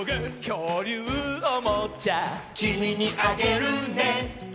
「きょうりゅうおもちゃ」「きみにあげるね」